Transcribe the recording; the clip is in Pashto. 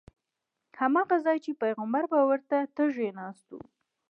هماغه ځای دی چې پیغمبر به وږی تږی ناست و.